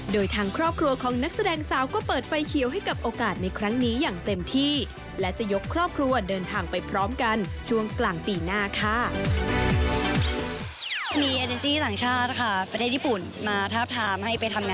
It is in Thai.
โดยทางครอบครัวของนักแสดงสาวก็เปิดไฟเขียวให้กับโอกาสในครั้งนี้อย่างเต็มที่และจะยกครอบครัวเดินทางไปพร้อมกันช่วงกลางปีหน้าค่ะ